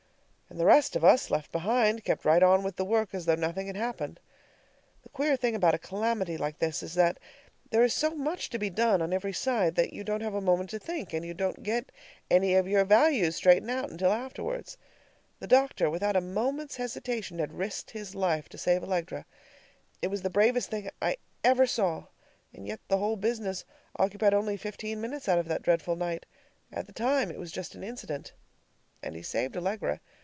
And the rest of us, left behind, kept right on with the work as though nothing had happened. The queer thing about a calamity like this is that there is so much to be done on every side that you don't have a moment to think, and you don't get any of your values straightened out until afterward. The doctor, without a moment's hesitation, had risked his life to save Allegra. It was the bravest thing I ever saw, and yet the whole business occupied only fifteen minutes out of that dreadful night. At the time, it was just an incident. And he saved Allegra.